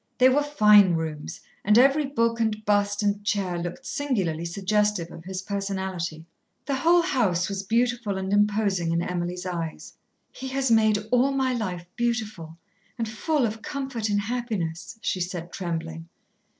They were fine rooms, and every book and bust and chair looked singularly suggestive of his personality. The whole house was beautiful and imposing in Emily's eyes. "He has made all my life beautiful and full of comfort and happiness," she said, trembling.